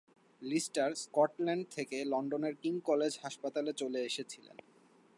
Lister Scotland থেকে লন্ডনের King college হাসপাতালে চলে এসেছিলেন।